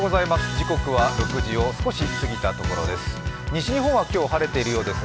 時刻は６時を少し過ぎたところです。